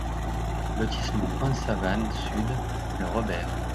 Lotissement Pointe Savane Sud, Le Robert